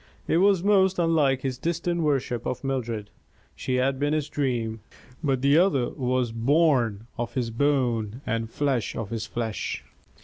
It was most unlike his distant worship of Mildred. She had been his dream, but the other was bone of his bone and flesh of his flesh.